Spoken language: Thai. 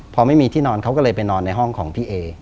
พอไม่มีที่นอนเขาก็เลยไปนอนในห้องของพี่เอ